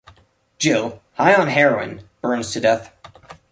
Jill, high on heroin, burns to death.